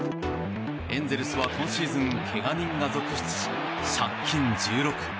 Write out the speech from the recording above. エンゼルスは今シーズンけが人が続出し、借金１６。